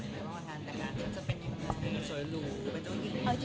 แต่งานจะเป็นอย่างไร